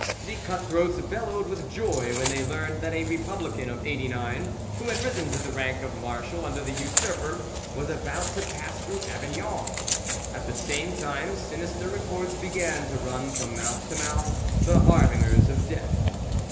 The cut throats bellowed with joy when they learned that a Republican of '89, who had risen to the rank of marshal under the Usurper, was about to pass through Avignon. At the same time sinister reports began to run from mouth to mouth, the harbingers of death.